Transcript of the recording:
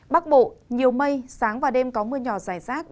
bắc bộ nhiều mây sáng và đêm có mưa nhỏ dài rác